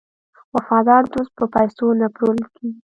وفادار دوست په پیسو نه پلورل کیږي.